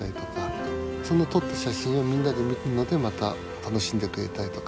その撮った写真をみんなで見るのでまた楽しんでくれたりとか。